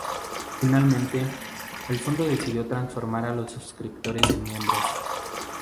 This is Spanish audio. Finalmente, el Fondo decidió transformar a los suscriptores en miembros.